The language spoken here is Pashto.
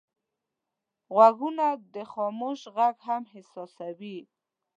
غوږونه د خاموش غږ هم احساسوي